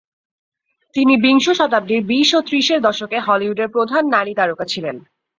তিনি বিংশ শতাব্দীর বিশ ও ত্রিশের দশকে হলিউডের প্রধান নারী তারকা ছিলেন।